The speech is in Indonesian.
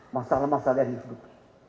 masalah masalah yang disebut